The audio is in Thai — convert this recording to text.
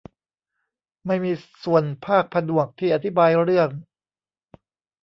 ไม่มีส่วนภาคผนวกที่อธิบายเรื่อง